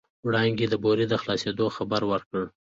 وړانګې د بورې د خلاصېدو خبر ورکړ.